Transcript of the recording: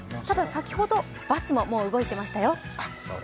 ただ先ほどバスも動いてましたよ。